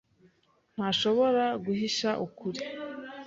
ntashobora guhisha ukuri.